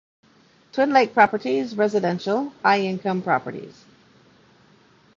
Twin Lake Properties - Residential, High income properties.